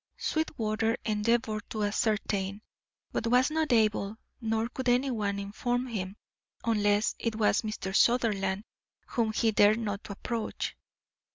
Sweetwater endeavoured to ascertain, but was not able, nor could anyone inform him, unless it was Mr. Sutherland, whom he dared not approach.